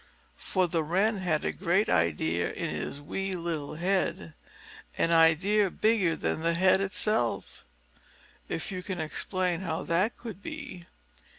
For the Wren had a great idea in his wee little head an idea bigger than the head itself, if you can explain how that could be.